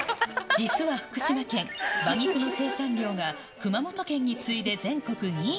実は福島県、馬肉の生産量が、熊本県に次いで全国２位。